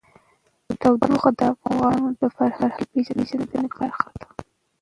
تودوخه د افغانانو د فرهنګي پیژندنې برخه ده.